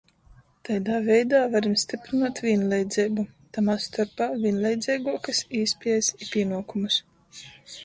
Taidā veidā varim styprynuot vīnleidzeibu, tamā storpā vīnleidzeiguokys īspiejis i pīnuokumus.